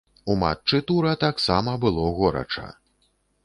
У матчы тура таксама было горача.